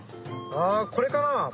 これかな？